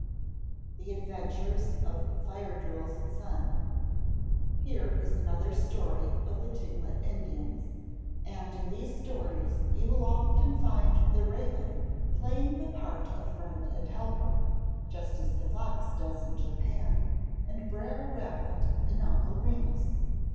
THE ADVENTURES OF FIRE DRILL'S SON Here is another story of the Tlingit Indians, and in these stories you will often find the Raven playing the part of friend and helper, just as the Fox does in Japan, and Brer Rabbit in 'Uncle Remus.'